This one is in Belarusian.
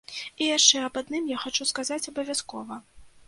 І яшчэ аб адным я хачу сказаць абавязкова.